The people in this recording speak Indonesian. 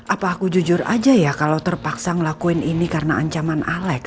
apa aku jujur aja ya kalau terpaksa ngelakuin ini karena ancaman alex